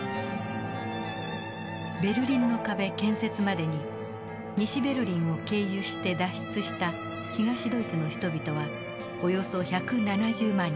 ベルリンの壁建設までに西ベルリンを経由して脱出した東ドイツの人々はおよそ１７０万人。